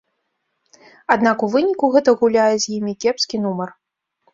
Аднак у выніку гэта гуляе з імі кепскі нумар.